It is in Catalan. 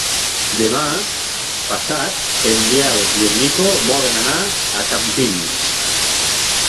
Demà passat en Biel i en Nico volen anar a Campins.